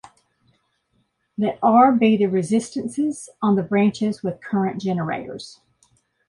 Let R be the resistances on the branches with current generators.